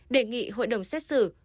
đề nghị hội đồng xét xử